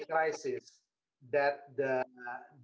dan saya yakin